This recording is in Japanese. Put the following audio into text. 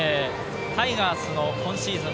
タイガースの今シーズン